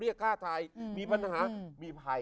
เรียกกล้าทลายมีปัญหามีภัย